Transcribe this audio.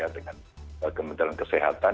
dengan kementerian kesehatan